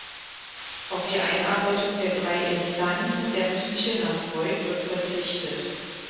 Auf die Einarbeitung der drei "Instanzen" der Psyche nach Freud wird verzichtet.